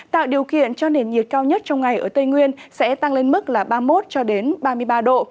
tạo điều kiện cho nền nhiệt cao nhất trong ngày ở tây nguyên sẽ tăng lên mức ba mươi một ba mươi ba độ